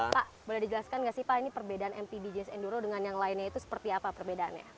pak boleh dijelaskan nggak sih pak ini perbedaan mpb jaz enduro dengan yang lainnya itu seperti apa perbedaannya